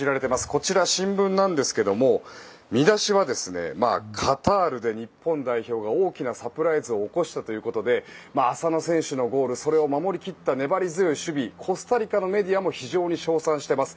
こちら、新聞なんですが見出しはカタールで日本代表が大きなサプライズを起こしたということで浅野選手のゴールそれを守り切った粘り強い守備コスタリカのメディアも非常に称賛しています。